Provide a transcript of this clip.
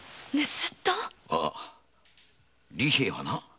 ああ利平はな